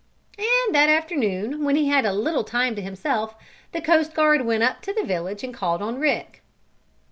And that afternoon, when he had a little time to himself, the coast guard went up to the village and called on Rick.